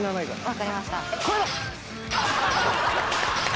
わかりました。